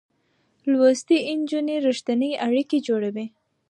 لوستې نجونې رښتينې اړيکې جوړوي.